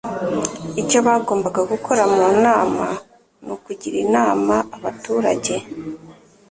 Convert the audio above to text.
Icyo bagombaga gukora mu nama nukugira inama abaturajye